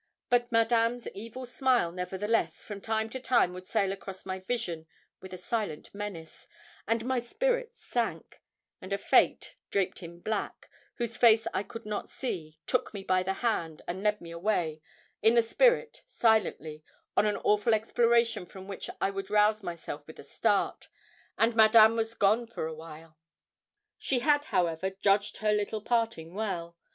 But Madame's evil smile, nevertheless, from time to time, would sail across my vision with a silent menace, and my spirits sank, and a Fate, draped in black, whose face I could not see, took me by the hand, and led me away, in the spirit, silently, on an awful exploration from which I would rouse myself with a start, and Madame was gone for a while. She had, however, judged her little parting well.